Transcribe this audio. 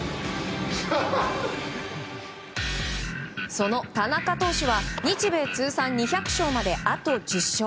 その田中投手は日米通算２００勝まであと１０勝。